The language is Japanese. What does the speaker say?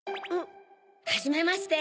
はじめまして。